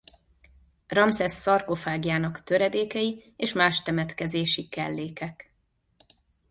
Ramszesz szarkofágjának töredékei és más temetkezési kellékek.